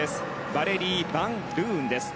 バレリー・バン・ルーンです。